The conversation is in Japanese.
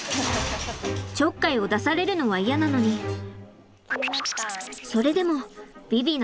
ちょっかいを出されるのは嫌なのにそれでも最近は。